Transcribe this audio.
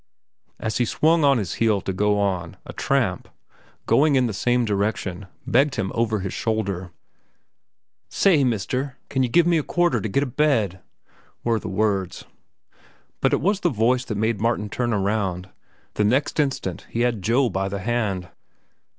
As he swung on his heel to go on, a tramp, going in the same direction, begged him over his shoulder. "Say, mister, can you give me a quarter to get a bed?" were the words. But it was the voice that made Martin turn around. The next instant he had Joe by the hand.